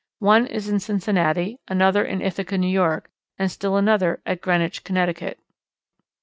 One is in Cincinnati, another in Ithaca, New York, and still another at Greenwich, Connecticut.